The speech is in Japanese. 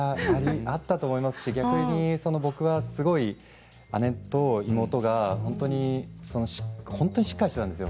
あったと思いますし逆に僕はすごい姉と妹が本当にしっかりしていたんですよ。